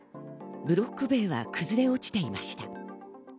ブロック塀は崩れ落ちていました。